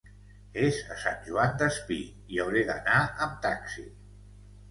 És a Sant Joan Despí, hi hauré d'anar amb taxi.